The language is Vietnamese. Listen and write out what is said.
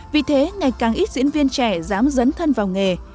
vì thế ngày càng ít diễn viên trẻ dám dấn thân vào nghề